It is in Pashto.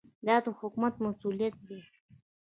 دا د حکومت مسوولیت دی.